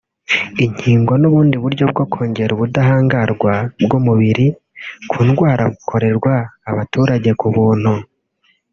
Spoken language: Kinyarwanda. inkingo n’ubundi buryo bwo kongera ubudahangarwa bw’umubiri ku ndwara bukorerwa abaturage ku buntu